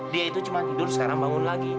dia itu cuma tidur sekarang bangun lagi